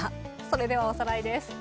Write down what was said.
それではおさらいです。